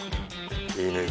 いいねえ